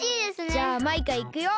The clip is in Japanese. じゃあマイカいくよ。